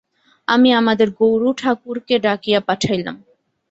আমি আমাদের গুরুঠাকুরকে ডাকিয়া পাঠাইলাম।